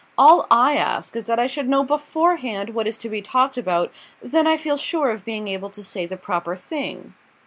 All I ask is that I should know beforehand what is to be talked about; then I feel sure of being able to say the proper thing."